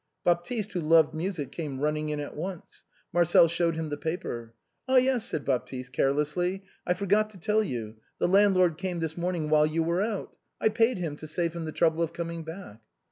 Baptiste, who loved music, came running in at once. Marcel showed him the paper. " Ah, yes," said Baptiste, carelessly, " I forgot to tell you. The landlord came this morning while you were out. I paid him, to save him the trouble of coming back."